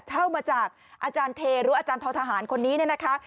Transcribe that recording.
เช่ามาจากอาจารย์เทหรืออาจารย์ท้อทหารคนนี้เนี่ยนะคะ